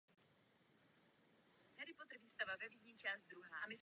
Vysvětlete mi tyto dvě návštěvy.